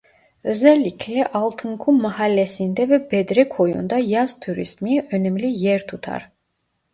Özellikle "Altınkum Mahallesi"nde ve "Bedre Koyu"nda yaz turizmi önemli yer tutar.